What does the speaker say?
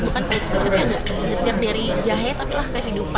bukan pait pait yang agak getir dari jahe tapi lah kehidupan